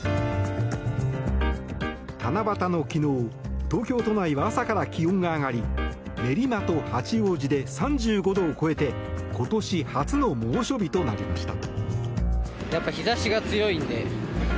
七夕の昨日東京都内は朝から気温が上がり練馬と八王子で３５度を超えて今年初の猛暑日となりました。